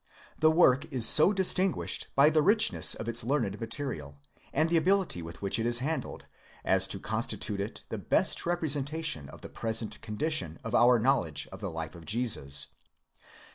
The work is so distinguished by the richness of its learned material, and the ability with which it is handled, as to con stitute it the best representation of the present condition of our knowledge of the life of Jesus.